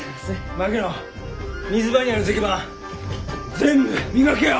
槙野水場にある石版全部磨けよ！